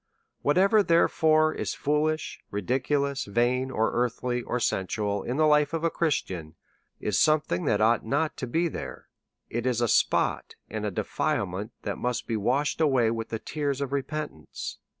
Whatever, therefore, is foolish, ridiculous, vain, or earthly, or sensual in the life of a Christian, is some thing that ought not to be there ; it is a spot and a defilement that must be washed away with tears of re pentance.